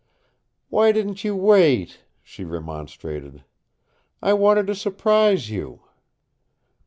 "Why didn't you wait?" she remonstrated. "I wanted to surprise you."